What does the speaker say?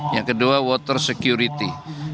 yang kedua water security